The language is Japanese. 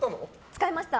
使いました！